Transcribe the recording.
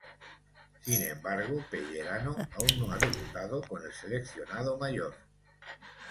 Sin embargo, Pellerano aún no ha debutado con el seleccionado mayor.